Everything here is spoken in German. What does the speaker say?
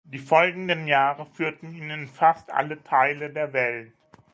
Die folgenden Jahre führten ihn in fast alle Teile der Welt.